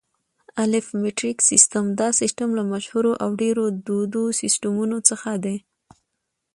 الف: مټریک سیسټم: دا سیسټم له مشهورو او ډېرو دودو سیسټمونو څخه دی.